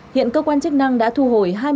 hiện cơ quan chức năng đã thu hồi